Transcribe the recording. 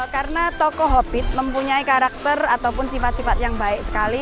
karena tokoh hobbit mempunyai karakter ataupun sifat sifat yang baik sekali